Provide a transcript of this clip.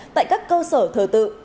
tại các cơ sở thờ tự